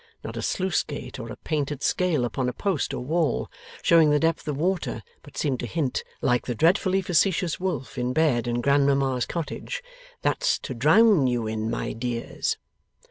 Not a sluice gate, or a painted scale upon a post or wall, showing the depth of water, but seemed to hint, like the dreadfully facetious Wolf in bed in Grandmamma's cottage, 'That's to drown YOU in, my dears!